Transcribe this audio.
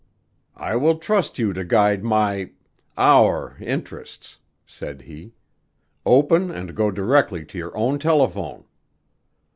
"I will trust you to guard my our interests," said he. "Open and go directly to your own telephone."